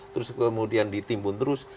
terus kemudian ditimbun terus